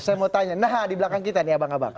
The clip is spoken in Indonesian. saya mau tanya nah di belakang kita nih abang abang